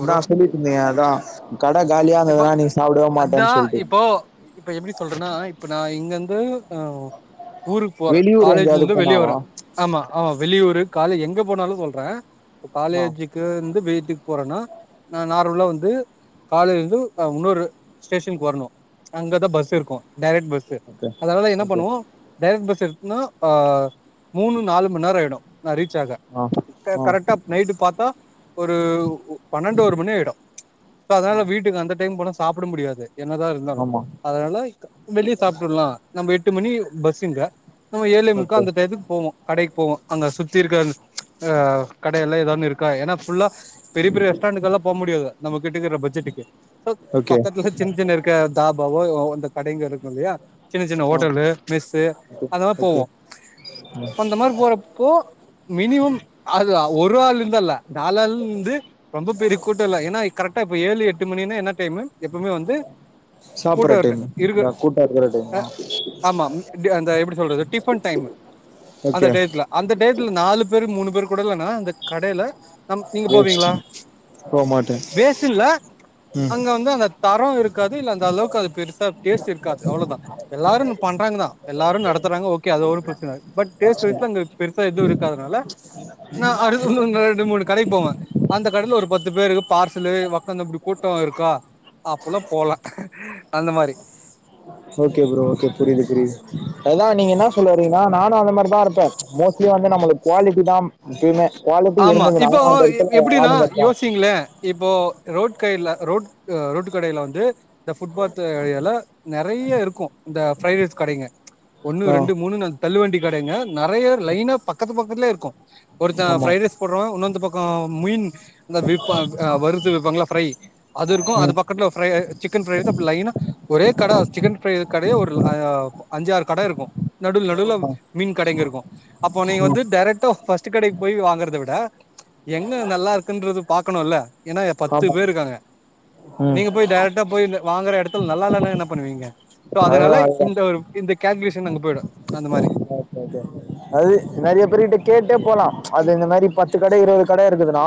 அதா சொல்லிட்ருந்திங்க அதா கட காலியா இப்பொ இருந்ததுன்னா நீ சாப்டவே அதா மாட்டேன்னு சொல்ட்டு இப்போ இப்ப எப்டி சொல்றன்னா இப்ப நா இங்கெந்து அ ஊருக் போற வெளியூர் எங்கேயாவது காலேஜ்லிந்து வெளிய போனாவா வரே ஆமா ஆமா வெளியூரு காலேஜ் எங்க போனாலு சொல்றே இப்ப ஆ காலேஜுக்கு இந்து வீட்டு போறேன்னா நான் நார்மலா வந்து கால முன்னொரு ஸ்டேஷனுக்கு வரணும் அங்கதான் பஸ் இருக்கும் டரெக்ட் பஸ் ஓகே அதனால என்ன ஓகே பண்ணுவோம் டரெக்ட் பஸ் ந அ மூணு நாலு மணநேர யிடும் நா ரீச் ஆக ஆ ஆ கரெட்டா நைட்டு பா்த்தா ஒ பன்னெண்டு ஒரு மணி ஆயிடும் அதனா ஆ வீட்டுக் வந் பொல சாப்ட முடியாது என்னதான் இருந்தாலும் ஆமா அதனால வெளியே சாப்பிட்டுறலாம் நம்ப மணி பஸ்ஸங்க நம்ம ஏழே முக்கா ஓகே அந்த டையத்துக்கு போவோம் கடைக்கு போவோம் அங்க சுத்தி இருக்கிற அ கடையல்ல எதானு இருக்க ஏன்னா புல்லா பெரிய பெரி ரெஸ்டாண்டுக்கெல்லா போ முடியாது நமக் இருக்குற பட்ஜெட்க்கு ஓகே பக்கத்துல சின்ன சின்ன இருக்க தா வ அந்த கடைங்க இருக்கும் இல்லையா சின்ன சின்ன ஆ ஓட்டலு மெஸ்ஸு ஓகே அதத ஓகே போவோம் அந்த மாதிரி போறப்போ மினிமம் அது ஒரு ஆள் இருந்தல்ல நால் ஆளு இருந்து ரொம்ப பெரிய கூட்டம்ல்ல ஏன்னா கரெக்டா ஏழு எட்டு மணின்னா என்ன எப்பயுமே எப்பவுமே வந்து சாப்புற கூட்டம் டைம் இருக்கு இந்த கூட்டோ இருக்கிற டைமா ஆஹ் ஆமா உம் டே அந்த அது எப்படி சொல்றது டிபன் டைம்மு அந்த ஓகே டைத்துல அந்த டைத்துல நாலு பேரு மூணு பேரு கூட்டலனா இந்த கடையில நம் நீங்க வேஸ்ட் போவீங்களா போ மாட்டே வேஸ்ட்டுல ம் அங்க ந்து அந்த தர இருக் இருக்காது இல்ல அந்த அளவுக்கு அது பெருசா டேஸ்ட் இருக்காது அவ்வளவுதான் எல்லாரும் பண்றாங்க தான் எல்லாரும் நடத்துறாங்க ஓகே அதோ ஒரு புசன [unintelligible] பட் டேஸ்ட் வைஸ்ல அங்க ச எது இருக்கதனால நான் அடுத்த ஒன்னு ரெண் ரெண்டு மூணு கடைக்கு போவேன் அந்த கடையில ஒரு பத்து பேருக்கு பார்சலு ஓக்காந்த கூட்டம் க்கா அப்பல்லா போல அந்த மாரி ஓகே ப்ரோ ஓகே புரியுது புரியுது அதா நீங்க என்ன சொல்லவறீங்கன்னா நானும் அநத மா அங்க தான் இருப்பேன் மோஸ்ட்லி வந்து நம்மளுக்கு குவாலிட்டி தான் முக்கியமே ஆமா இப்போ எப்படினா இருப்பாங்க யோசிங்களேன் இப்போ ரோட்டு ல ரோட் ரோட்டு கடையில வந்து இந்த புஃட்பாத்து ஏரியால நெறைய இருக்கும் இந்த ஃரைட் ரைஸ் கடைங்க ஒன்னு ஆ ரெண்டு மூணு ணு தள்ளு வண்டி கடைங்க நெறைய லைன பக்கத்து பக்க ல இருக்கும் ஒருத்தன் ஆமா ப்ரைட் ரைஸ் போடுறவ ஓன்னுஓந்து பக்கம் மீன் அந்த வறுத்து விப்பபங்கள ஃப்ரை அது இருக்கும் அது ம் பக்கத்துல ப்ரை அ சிக்கன் ரைஸ் அப் லைனா ஒரே கட சிக்கன் ப்ரை கடையே ஒரு அ அஞ்சாறு கடை இருக்கும் நடு நடுவுல ஆ மீன் கடைங்க இருக்கும் அப்போ நீங்க ம் வந்து டைரக்டா பர்ஸ்ட்ட் கடைக் பொய் வாங்கறதை விட எங்க நல்லா இருக்குன்றத பாத் க்ணுல்ல ஏன்னா பத்து ஆமா பேரு இருக்காங்க ம் நீங்க போய் டைரைக்கட்டா போய் இந்த வாங்குற இடத்துல நல்லா இல்லனு பண்ணுவீங்க சொ அதுதா அதனால அதுதா இந்த இந்த கல்குலேஷன் அங்க போயிடும் அந்த மார் கே அது நெறைய பேரு கிட்ட கேட்டே போலா அது இந்த மாரி பத்து கடை இருவது கடை இருக்குதுன்னா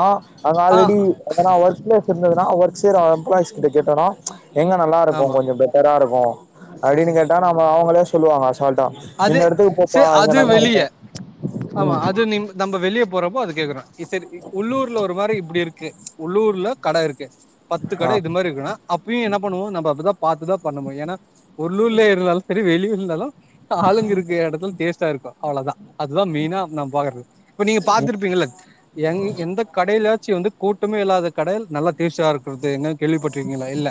அங் க ஆ ஆல்ரெடி பன்ன ஒர்க்லொசன் னா ஒர்க்ஸ் செய்ற எம்ப்ளாய்ஸ்கிட்ட கேட்டாலும் எங்க நல்லா இருக்கும் ஆமா கொஞ்சம் பெட்டரா இருக்கும் ம் அப்படின்னு கேட்டா நம்ம அவுங்களே சொல்லுவாங்க டா இந்த இடத்து செரி அது வெளிய ஆமா ம் அது நிம் நம்ப வெளிய போறப்ப அதுக் கேக்குறன் சேரி உள்ளூர்ல ஒரு மாரி இப்டி இருக்கு உள்ளூர்ல கடை இருக்கு பத்து ஆ கடை இது மாரி இருக்குனா அப்பயும் என்ன பண்ணுவோ நம்ம அப்டிதா பார்த்துதான் பண்ணணும் ஏன்னா உள்ளூர்ல இருந்தாலும் செரி வெளியூர் இருந்தாலும் ஆளுங்க இருக்க இடத்துல டோஸ்டா இருக்கும் அவ்ளோதான் அதுதான் மெயினா நான் பாக்குறது இப்ப நீங்க ம் பாத்துருப்பீங்கள எந்த கடையில ட்சி வந்து கூட்டமே இல்லாத கட நல்லா டேஸ்ட்டா இருக்குறது எங்கன்னு கேள்விப்பட்டிருக்கீங்களா இல்ல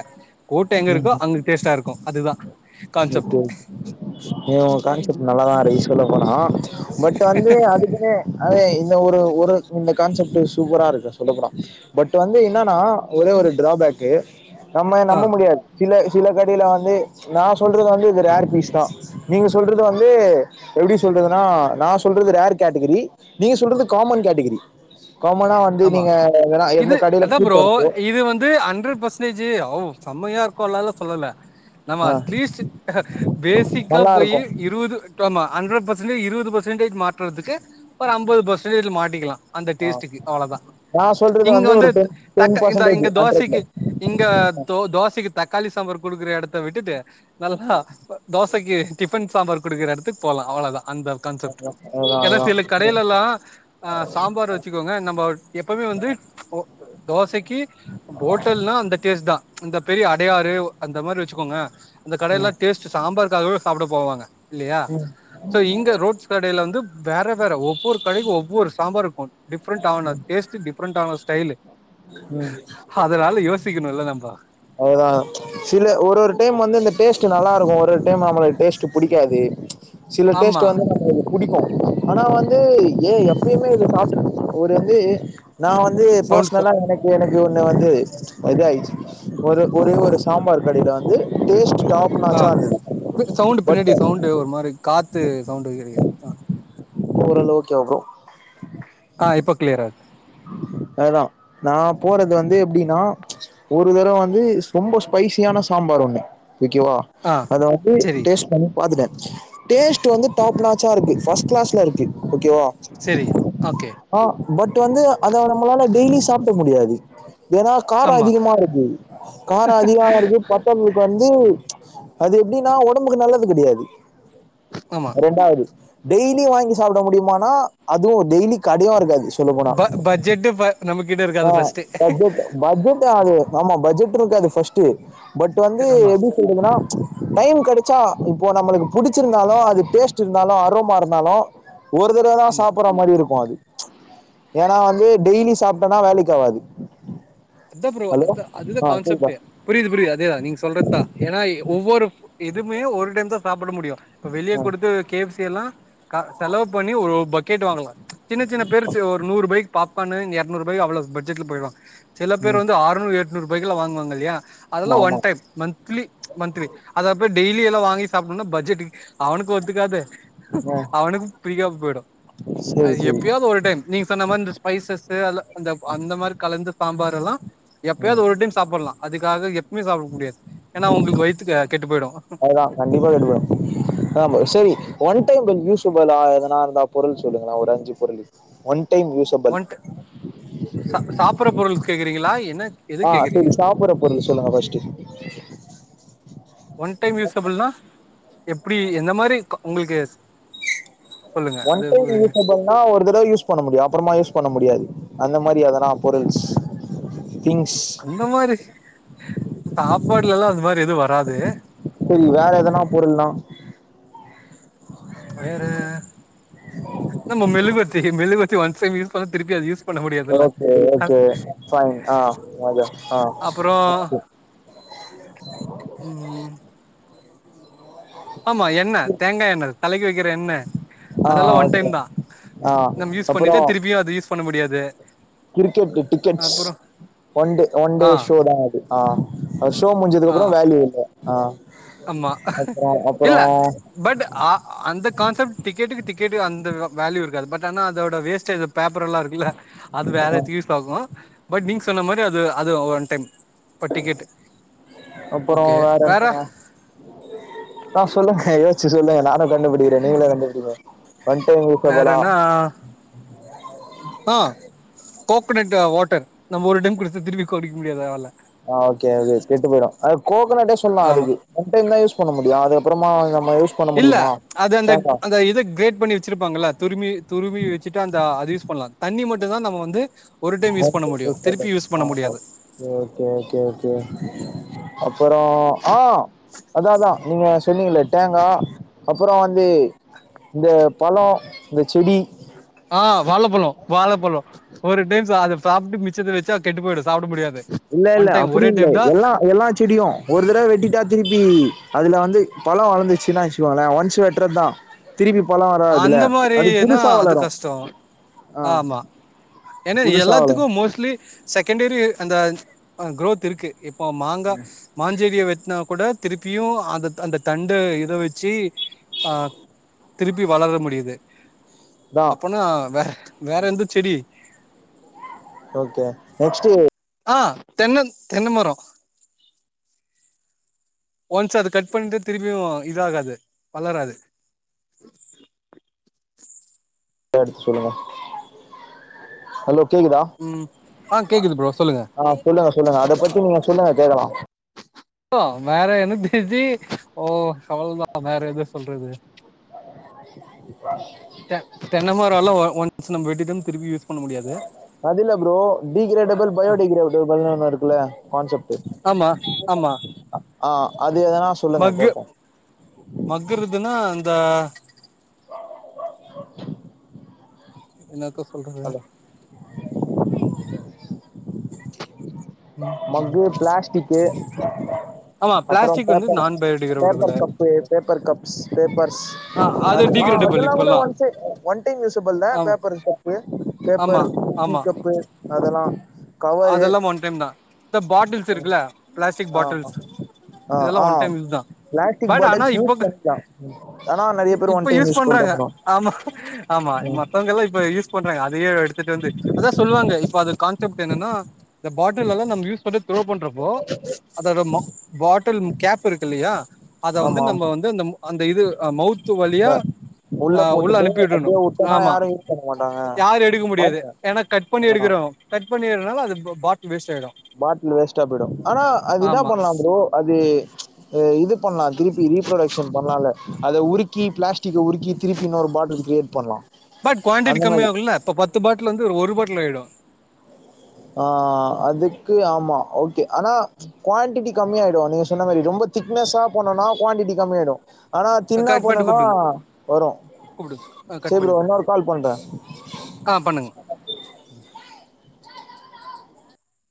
கூட்டம் எங்க இருக்கோ அங்க டேஸ்ட்டா இருக்கும் அதுதான் [unintelligible] ஏ ஒங்க கான்செப்ட் நல்லாதாருக்கு சொல்ல போனா பட் வந்து அதுக்குனு அது இ ந்த ஒரு ஒரு இந்த கான்செப்ட்டு சூப்பரா இருக்கு சொல்லப்பொனா பட் வந்து இன்னானா ஒரே ஒரு ட்ராபேக்கு நம்ம ஆ நம்ப முடியாது சில சில கடைல வந்து நா சொல்றது வந்து இது ரேர் பீஸ் தா நீங்க சொல்றது வந்து எப்டி சொல்றதுனா நா சொல்றது ரேர் கேட்டகிரி நீங்க சொல்றது காமன் கேட்டகிரி காமனா வந்து ஆமா நீங்க எதனா இது எந்த கடையில அதா ப்ரோ கூட்டோ இருக்கோ இது வந்து ஹண்ட்ரட் பர்சன்டேஜு ஓ சம்மையா இருக்குன்லல்ல சொல்லல நம்ம ஆ அட்லீஸ்ட் பேசிக்கா நல்லா போயி இருக்கு இருவது விட்டொன்னா ஹண்ட்ரட் பர்சன்டேஜ் இருவது பர்சன்டேஜ் மாட்றதுக்கு ஒரு அம்பது பர்சன்டேஜ் மாட்டிக்கிலா அந்த ஆ டேஸ்டுக்கு அதா நா சொல்றது இங்க ஒரு வந்து டென் டென் தக்க இந்த பர்சன்டேஜ் இங்க ஹண்ட்ரட்ல தோசக்கி இங்க தோசக்கி தக்காளி சாம்பார் குடுக்குற எடத்த விட்டுட்டு நல்லா தோச சக்கி டிஃபன் சாம்பார் குடுக்குற எடத்துக் போலா அவ்ளதா அந்த கன்செப்ட் அதுதா எனா அதுதா சில கடைலெல்லா அ சாம்பார் வச்சுக்கோங்க நம் ப எப்பவ்மே வந்து ஒ தோசை க்கி ஓட்டல்னா அந்த டேஸ்ட் தா இந்த பெரிய அடையாறு அந்த மாரி வச்சுக்கோங்க அந்தக் கடையெல்லா டேஸ்ட்டு சாம்பார்க்காகவெ சாப்ட போவாங்க இல்லியா சோ இங்க ரோட்ஸ் கடைல வந்து வேற வேற ஒ வ்வொரு கடைக்கு ஒவ்வொரு சாம்பாருக்கு டிஃப்ரண்ட் ன டேஸ்ட்டு டி ஃப்ரெண்ட்டான ஸ்டைலு அதனால யோசிக்கணுல்ல நம்ப அதுதா சில ஒரு ஒரு டைம் வந்து இந்த டேஸ்ட் டு நல்லாருக்கு ஒரு ஒரு டைம் நம்மளுக்கு டேஸ்ட்டு புடிக்காது சில டேஸ்ட் ஆமா வந்து நம்மளுக்கு புடிக்கு ஆனா வந்து ஏ எப்பயுமே இதுல சாப்டு ஒரு வந்து நா வந்து போஸ் சவுண்ட் ச நல்லா எனக்கு எனக் கு ஒண்ணு வந்து இது ஆயிச்சு ஒரு ஒரே ஒரு சாம்பார் கடில வந்து டேஸ்ட் டாப் ஆ நாச்சா இருந்தது சவுண்டு பட் பின்னாடி சவுண்டு ஒரு மாரி கா த்து சவுண்டு கெடைக்குது அ ஒருளவுக்கு [unintelligible] ஆ இப்போ க்ளியரா இருக்கு அதா நா போறது வந்து எப்டின்னா ம்ச் ஒரு தடவ வந்து ரொம்ப ஸ்பைசியான சாம்பார் ஒண்ணு விக்குவா ஆ அத வந்து செரி டேஸ்ட் பண்ணி பாத்துட்ட டேஸ்ட் வந்து டாப் நாட்ச்சா இருக்கு ஃபர்ஸ்ட்டு கிளாஸ்ல இருக்கு ஓக்கேவா செரி ஓகே ஆ பட் வந்து அதோட நம்மளால டெய்லி சாப்ட முடியாது ஏன்னா காரோ ஆமா அதிகமா இருக்கு காரோ அதிகமா இருக்கு [unintelligible] வந் ஏய் அது எப்டின்னா ஒடம்புக்கு நல்லது கெடையாது ஆமா ரெண்டாவது டெய்லி வாங்கி சாப்ட முடியுமான அதுவு டெய்லி கடயு இருக்காது சொல்ல போனா ம் பட்ஜெட் ஆ பட்ஜெட் பட்ஜெட் ஆது ஆமா பட்ஜெட் இருக்காது ஃபஸ்ட்டு பட் வந்து ஆமா எப்டி சொல்றதுன்னா ம்ச் டைம் கெடச்சா இப்போ நம்மளுக்கு புடிச்சிருந்தாலு அது டேஸ்ட் இருந்தாலு அரோமா இருந்தாலு ஒரு தடவதா ஆமா சாப்பற மாரி இருக்கு அது ம்ச் ஏனா வந்து டெய்லி சாப்ட்டோனா வேலைக்கு ஆவாது அதா ஃப்ரோ ஹலோ அதா அதுதா ஆ கேக்குதா கான்செப்டே புரியுது புரியுது அதேதா நீங்க சொல்றதுதா ஏனா ஒவ்வொரு இதுமே ஒரு டைம்தா சாப் சாப்ட முடியு இப்ப வெளிய ஆ குடுத்து கேப்ஸ் சி எல்லா க செலவு பண்ணி ஒரூபாய்க் கேட்டுவாங்களா சின்ன சின்ன பேருஸ்சு ஒரு நூரூபாய்க் பாப்பானு இங்க இரநூறுரூபாய் அவளோட பட்ஜெட்ல போயிடும். சில பேர் ம் வந்து ஆறநூ. நூரூபாய்க்கல்லா வாங்குவாங்கல்லாயா. அதெல்லாம் ஆமா ஒன் டைம், ஆமா மன்த்லி மன்த்லி அத. இப்ப டெய்லி எல்லாம் வாங்கி சாப்பிடணு பஜெட்க்கு அவனுக்கு ஒத்துக்காது. ஆ அவனுக்கும் பிரிக்காம போயிடும் சேரி அது சேரி எப்பாவது ஒரு டைம் நீங்க சொன்ன மாதிரி இந்த ஸ்பைசஸ் உ அந்த மாதிரி கலந்து. பாம்பார் எல்லாம். எப்பயாவது ஒரு டைம் சாப்பலாம். அதுக்காக எ. கெட்டு போயிடு அதுதான் கண்டிப்பா விடுபடும். சரி ஒன் டைம் யூஸ். பாலா எதனா இருந்தா பொருள் சொல்லுங்க. ஒரு அஞ்சு பொருளு ஒன். டைம் யூஸபிள் ஒன் சா சாப்பற பொருள் கேக்குறீங்களா. என்ன? எது ஆஹ்! கேக்குறீங்க சரி, சாப்பிற பொருள் சொல்லுங்க பஸ்ட். எப்புடி? எந்த மாரி க்கு உங்களுக்கு. சொல்லுங்க ஒன் அது டைம் யூஸ்பண்ணா ஒரு தடவை யூஸ் பண்ணமுடியும். அப்றமா யூஸ். பண்ண முடியாது. அந்த மாதிரி எதனா பொருள்ஸ். திங்ஸ் அந்த மாரி சாப். சப்பாடுல எல்லாம் அந்த மாதிரி எது வராது. சரி, வேற எதனா பொருள்லாம். வேற மெழுகுவத்தி ஒன் டைம் யூஸ் பண்ண, திருப்பியது யூஸ். பண்ண முடியாதுல்ல ஓகே அ ஓகே பைன். ஆஹ் வா ஆஹ். அப்புறோ ம் ஆமா, எண்ண தேங்கா எண்ண தலைக்கு வைக்கிற எண்ண. ஆ அதெல்லாம் ஒன் டைம் ஓகே தான் ஆ நம்ம யூஸ் பண்ணிட்டு, அப்புறம் திருப்பியும் அத யூஸ் பண்ண முடியாது. கிரிக்கெட் டிக்கெட்ஸ் அப்புறோ ஒன்டே ஒன்டே ஆ ஷோ தான் அது. ஆஹ், ஷோ முடிஞ்சதுக்கு அப்புறம் வேல்யூ இல்ல. ஆஹ்! அமா இல்ல பட் அ அந்த கான்செப்ட் டிக்கெட்டுக்கு. டிக்கெட்டு அந்த வேல்யூ இருக்காது. பட், ஆனா அதோட வேஸ்டேஜ் பேப்பர் எல்லாம் இருக்குல்ல. அது வேற தியூசாகும். பட் நீங்க சொன்ன மாரி, அது அது ஒன் டைம். பட்டிகட் ஓகே வேற. ஆஹ் சொல்லுங்க, யோச்சு சொல்லுங்க நானும். கண்டுபிடிக்கிறேன். நீங்களே கண்டுபிடிங்க ஒன் டைம் யூசபலா. வேறன்னா கோகோனட்டு வாட்டர் நம்ம ஒரு டைம் குடித்து திரும்ப்பி கோடிக்க தேவயில்ல. ஹா ஓகே ஒகே கெட்டு பொயிடு அத கோகனட்டே சொல்லா ஆமா அதுக்கு ஒன் டைம் தா யூஸ் பண்ண முடியு அதுகப்றமா இல்ல அது அந்த அந்த இதை கிரேட் பண்ணி வச்சிருப்பாங்கள்ள துருமி துருவி வச்சுட்டு அந்த அது யூஸ் பண்லா தண்ணி மட்டு தா நம்ம வந்து ஒரு டைம் யூஸ் பண்ண ஓகே முடியு திருப்பி யூஸ் [inaudible] பண்ண அ முடியாது ஓகே ஓகே ஓகே அப்பறோ ஆ அதாதா நீங்க சொன்னீங்களே தேங்கா அப்றோ வந்து இந்த பழோ இந்த செடி ஆ வாழப்பழோ வாழப்பழோ ஒரு டைம் ச அத சாப்ட்டு மிச்சத்த வச்சா கெட்டு போய்டு சாப்ட முடியாது இல்ல இல்ல ஒன் டைம் அப்படி ஒரே இல்ல டைம் தா எல்லா எல்லா செடியு ஒரு தடவ வெட்டிட்டா திருப்பி அதுல வந்து பழோ வளர்ந்துருச்சுன்னா வச்சுகோங்களே ஒன்ஸ் வெட்டுறது தா அந்த மாதிரினா அது வளரு கஷ்டோ ஆ ஆமா ஏன்னா புதுசா வளரு எல்லாத்துக்கு மோஸ்ட்லி செகண்டரி அந்த அ குரோத் இருக்கு இப்போ மாங்கா மாஞ்செடிய வெட்னா கூட திருப்பியு அந்த அந்த தண்டு இத வச்சு அ திருப்பி வளர முடியுது தா அப்பனா வேற வேற எந்த செடி ஓகே நெக்ஸ்டு ஆ தென்ன தென்ன மரோ ஒன்ஸ் அது கட் பண்ட்டு திரும்பியு இதாகாது வளராது எடுத்து சொல்லுங்க ஹலோ கேக்குதா ம் ஆ கேக்குது ப்ரோ சொல்லுங்க ஆ சொல்லுங்க சொல்லுங்க அத பத்தி நீங்க சொல்லுங்க கேக்கலா ப்போ வேற என்ன திதி ஓ அவள தா வேற எது சொல்றது தெ தென்னமரல்லா ஒன்ஸ் நம்ம வெட்டு ம் திரிப்பியோ அதுல ப்ரோ டிகிரேடபல் பயோடிகிரேடபல்ன் ஒன்னுருக் உள்ளயா கான்சப்ட்டு ஆமா ஆமா ஆ அது எதனா சொல்லுங்க மக்கு கேப்போம் மகுருதுனா தா [inaudible] என்னக்கு ஹலோ [inaudible] ம் மங்கு பிளாஸ்டிக்கு ஆமா அப்றோ பிளாஸ்டிக் வந்து பேப்பர் நான் paper biodegradable cup paper cups paper ஆ அது அதெல்லா டிகிரேடபிள் அதெல்லா கூட இப்பல்லா ஒன் சை ஒன் டைம் யூசபில்ல ஆமா பேப்பர் பேப்பர் ஆமா டீ ஆமா கப்பு அதெல்லா அதெல்லா ஒன் டைம் தா இந்த பாட்டில் இருக்குல பிளாஸ்டிக் ஆ பாட்டில்ஸ் ஆ ஆ இதெல்லா ஆ ஒன் டைம்யூஸ் தா பிளாஸ்டிக் பட் ஆனா பாட்டில்ஸ் யூஸ் இப்போ பண்ணிக்கலாம். ம். ஆனா நெறைய பேர் ஒன் இப்ப டைம் யூஸ் பண்ல பண்றாங்க பண்ணுவாங்க. ஆமா ஆமா ம். மத்தவங்க எல்லா இப்ப யூஸ் பண்றாங்க அதுவே எடுத்துட்டு வந்து அதான் சொல்லுவாங்க இப்ப அது கான்செப்ட் என்னன்னா இந்த பாட்டில் எல்லா நம்ம யூஸ் பண்ணிட்டு த்ரோ பண்றப்போ அதோட பாட்டில் கேப் இருக்கு இல்லயா அத வந்து ஆமா, நம்ம ஆமா. வந்து அ அந்த இது மௌத் இந்த வழியா அ உள்ள போட்டுட்டு அனுப்பிடணும் அப்படியே உட்டோம்னா ஆமா யாரும் யூஸ் பண்ண மாட்டாங்க. யாரும் எடுக்க முடியாது பாத்துட்டேன். ஏன்னா கட் பண்ணி ஆ எடுக்கிறோம் கட் எப்டி இருந்தாலும் அது பாட் பாட்டில் வேஸ்டா போயிடும் ஆனா அது என்ன ஆமா பண்ணலா ப்ரோ அது இது பண்ணலாம் திருப்பி ரீப்ரொடக்ஷன் பண்ணலால அத உருக்கி பிளாஸ்டிக் உருக்கி திருப்பி இன்னொரு பாட்டில் கிரியேட் பண்ணலாம் பட் குவாண்டிட்டி அந்த மாரி. கம்மிய ஆகுல இப்ப பத்து பாட்டில் வந்து ஒரு பாட்டில் ஆயிடும் ஆ அதுக்கு ஆமா ஓகே ஆனா குவாண்டிட்டி கம்மியாயிடும் நீங்க சொன்ன மாரி ரொம்ப திக்னஸா போனோம்னா குவாண்டிட்டி கம்மியாயிடும் ஆனா தின்னா கட் பண்ணிட்டு போனோம்னா கூப்பிடுங்க வரும் கூப்பிடுங்க ஆ கட் செரி பண்ணிட்டு இன்னொரு கூப்பிடுங்க கால் பண்றேன் ஆ பண்ணுங்க